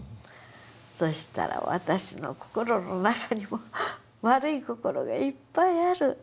そしたら私の心の中にも悪い心がいっぱいある。